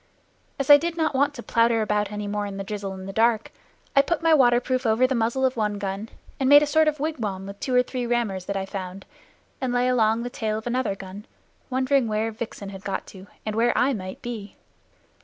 As I did not want to plowter about any more in the drizzle and the dark, I put my waterproof over the muzzle of one gun, and made a sort of wigwam with two or three rammers that I found, and lay along the tail of another gun, wondering where Vixen had got to, and where I might be.